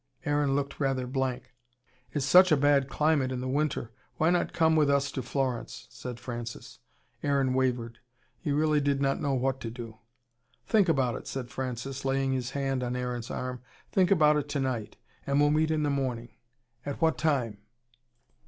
Aaron looked rather blank. "But have you anything to take you to Venice? It's such a bad climate in the winter. Why not come with us to Florence?" said Francis. Aaron wavered. He really did not know what to do. "Think about it," said Francis, laying his hand on Aaron's arm. "Think about it tonight. And we'll meet in the morning. At what time?"